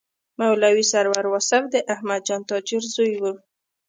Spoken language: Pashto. مولوي سرور واصف د احمدجان تاجر زوی و.